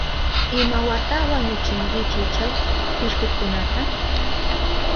¿Imawata wañuchinkichi chay pishkukunata?